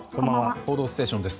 「報道ステーション」です。